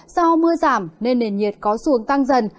do mưa giảm nên nền nhiệt có xuống tăng dần